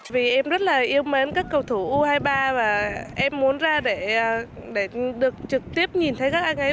vì em rất là yêu mến các cầu thủ u hai mươi ba và em muốn ra để được trực tiếp nhìn thấy các anh ấy